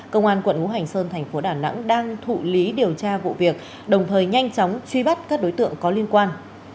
công an quận ú hành sơn tp đà nẵng đang thụ lý điều tra vụ việc đồng thời nhanh chóng truy bắt các đối tượng có liên quan